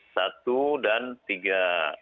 satu dan tiga